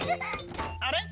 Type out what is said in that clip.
あれ？